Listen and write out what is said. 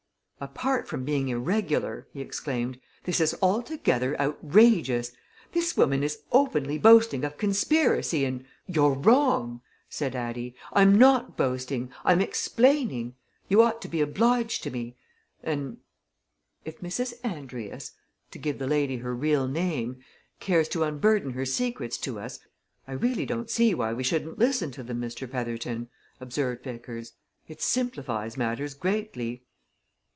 "Apart from being irregular," he exclaimed, "this is altogether outrageous! This woman is openly boasting of conspiracy and " "You're wrong!" said Addie. "I'm not boasting I'm explaining. You ought to be obliged to me. And " "If Mrs. Andrius to give the lady her real name cares to unburden her secrets to us, I really don't see why we shouldn't listen to them, Mr. Petherton," observed Vickers. "It simplifies matters greatly."